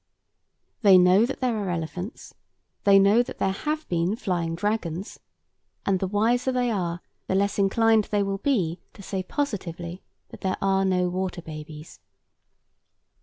They know that there are elephants; they know that there have been flying dragons; and the wiser they are, the less inclined they will be to say positively that there are no water babies.